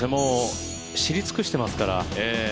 知り尽くしてますから。